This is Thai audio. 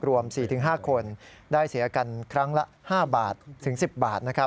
รวม๔๕คนได้เสียกันครั้งละ๕บาทถึง๑๐บาท